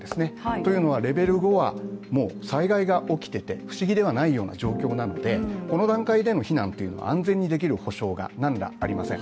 というのはレベル５はもう災害が起きていて不思議ではないような状況なのでこの段階での避難というのは安全にできる状況というのはありません。